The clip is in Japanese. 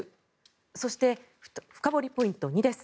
そして、深掘りポイント２です。